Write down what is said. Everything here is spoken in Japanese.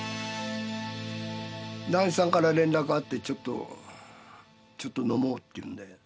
談志さんから連絡あって「ちょっと飲もう」って言うんで。